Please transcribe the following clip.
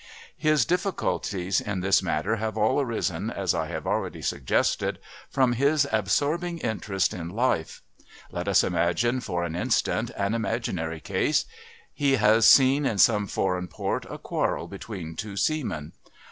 His difficulties in this matter have all arisen, as I have already suggested, from his absorbing interest in life. Let us imagine, for an instant, an imaginary case. He has seen in some foreign port a quarrel between two seamen.